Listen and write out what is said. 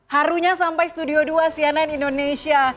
harunya sampai studio dua cnn indonesia